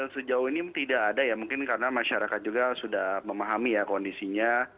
sejauh ini tidak ada ya mungkin karena masyarakat juga sudah memahami ya kondisinya